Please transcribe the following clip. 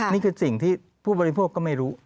นี่คือสิ่งที่ผู้บริโภคก็ไม่รู้